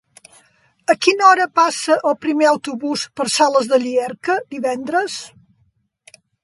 A quina hora passa el primer autobús per Sales de Llierca divendres?